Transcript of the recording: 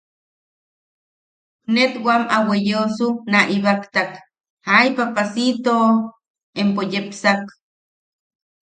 Net wam a weyeosu na ibaktak: ¡Ay papacito! Empo yepsak.